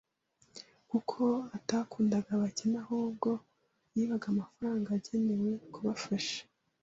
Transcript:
kuko atakundaga abakene ahubwo yibaga amafaranga agenewe kubafasha